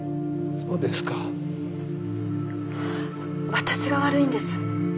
私が悪いんです。